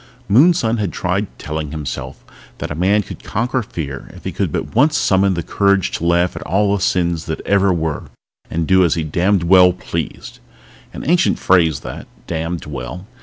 Moonson had tried telling himself that a man could conquer fear if he could but once summon the courage to laugh at all the sins that ever were, and do as he damned well pleased. An ancient phrase that damned well.